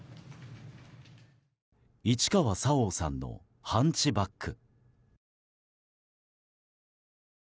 市川沙央さんの「ハンチバック」。